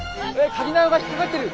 かぎ縄が引っ掛かってる。